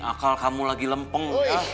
akal kamu lagi lempeng